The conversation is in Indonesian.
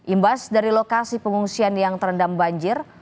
imbas dari lokasi pengungsian yang terendam banjir